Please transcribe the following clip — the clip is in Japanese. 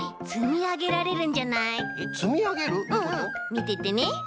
みててね。